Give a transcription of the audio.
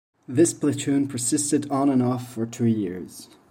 This platoon persisted on and off for two years.